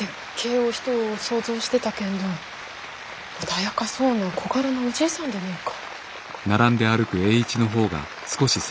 お人を想像してたけんど穏やかそうな小柄のおじいさんでねぇか。